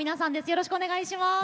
よろしくお願いします。